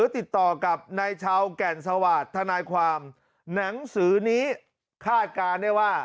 ธนายความหนังสือนี้คาดการณ์เนี่ยว่า